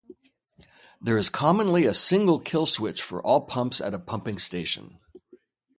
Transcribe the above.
There is commonly a single kill switch for all pumps at a pumping station.